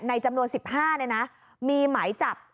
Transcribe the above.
ในจำนวนสิบห้าเนี่ยนะมีหมายจับ